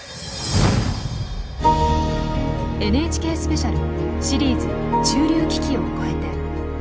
「ＮＨＫスペシャルシリーズ“中流危機”を越えて」。